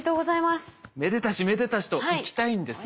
めでたしめでたしといきたいんですが。